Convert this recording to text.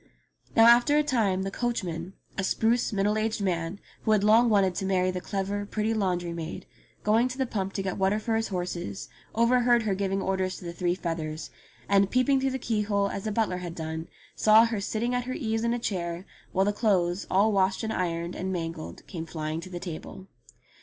Now after a time the coachman, a spruce middle aged man, who had long wanted to marry the clever, pretty laundry maid, going to the pump to get water for his horses over heard her giving orders to the three feathers, and peeping through the keyhole as the butler had done, saw her sitting at her ease in a chair while the clothes, all washed, and ironed, and mangled came flying to the table.